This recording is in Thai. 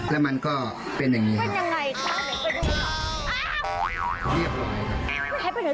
แล้วมันก็เป็นอย่างนี้ครับ